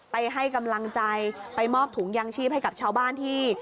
ไปให้กำลังใจไปมอบถุงยางชีพให้กับชาวบ้านที่